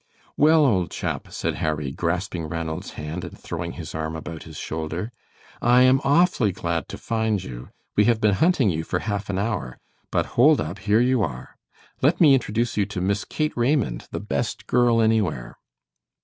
"Well, old chap," said Harry, grasping Ranald's hand and throwing his arm about his shoulder, "I am awfully glad to find you. We have been hunting you for half an hour. But hold up, here you are. Let me introduce you to Miss Kate Raymond, the best girl anywhere."